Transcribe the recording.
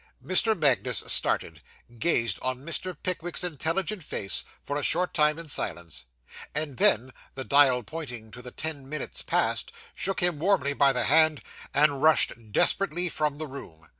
Mr. Magnus started; gazed on Mr. Pickwick's intelligent face, for a short time in silence; and then (the dial pointing to the ten minutes past) shook him warmly by the hand, and rushed desperately from the room.